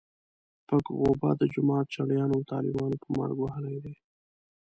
پک غوبه د جومات چړیانو او طالبانو په مرګ وهلی دی.